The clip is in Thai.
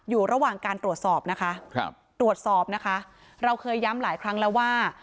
อยู่ระหว่างการตรวจสอบนะคะครับตรวจสอบนะคะเราเคยย้ำหลายครั้งแล้วว่า